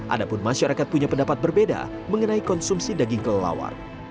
adapun masyarakat punya pendapat berbeda mengenai konsumsi daging kelelawar